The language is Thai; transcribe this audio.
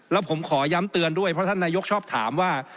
แล้วผมขอย้ำเตือนด้วยเพราะท่านนายกชอบถามว่า